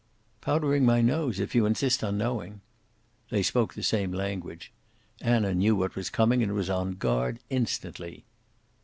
"Powdering my nose, if you insist on knowing." They spoke the same language. Anna knew what was coming, and was on guard instantly.